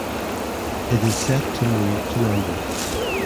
It is set to move to London.